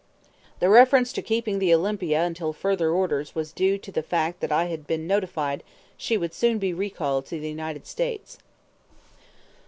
"(The reference to keeping the Olympia until further orders was due to the fact that I had been notified that she would soon be recalled to the United States.)"